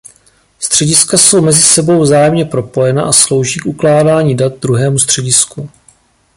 Střediska jsou mezi sebou vzájemně propojena a slouží k ukládání dat druhému středisku.